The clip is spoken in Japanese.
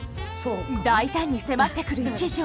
大胆に迫ってくる一条。